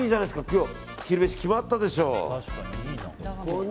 今日、昼飯決まったでしょ。